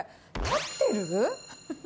立ってる？